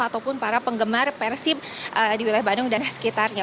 ataupun para penggemar persib di wilayah bandung dan sekitarnya